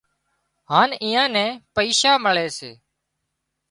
اين ايئان نين پئيشا مۯي سي